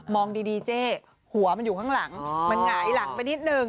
องดีเจ๊หัวมันอยู่ข้างหลังมันหงายหลังไปนิดนึง